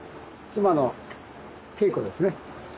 妻の恵子ですね。